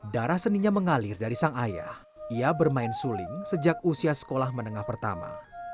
darah seninya mengalir dari sang ayah ia bermain suling sejak usia sekolah menengah pertama